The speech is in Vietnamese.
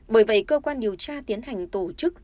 bởi vậy cơ quan điều tra tiến hành tổ chức